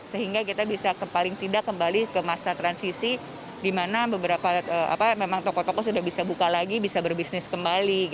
sehingga kita bisa paling tidak kembali ke masa transisi di mana beberapa memang toko toko sudah bisa buka lagi bisa berbisnis kembali